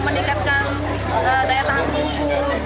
meningkatkan daya tahan tubuh